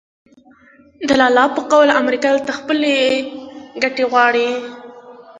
د لالا په قول امریکا دلته یوازې خپلې ګټې غواړي.